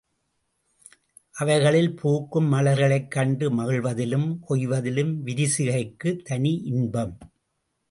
அவைகளில் பூக்கும் மலர்களைக் கண்டு மகிழ்வதிலும் கொய்வதிலும் விரிசிகைக்குத் தனி இன்பம்.